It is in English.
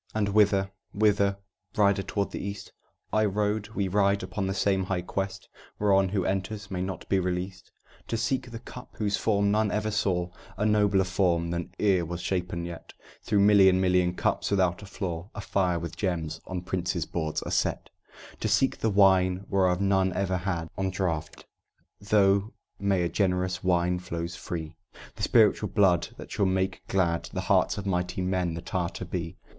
"And whither, whither, rider toward the east?" "I rode we ride upon the same high quest, Whereon who enters may not be released; "To seek the Cup whose form none ever saw, A nobler form than e'er was shapen yet, Though million million cups without a flaw, Afire with gems, on princes' boards are set; "To seek the Wine whereof none ever had One draught, though many a generous wine flows free, The spiritual blood that shall make glad The hearts of mighty men that are to be."